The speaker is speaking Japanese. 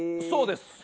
「そうです